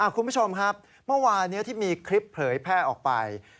คุณผู้ชมครับเมื่อวานี้ที่มีคลิปเผยแพร่ออกไป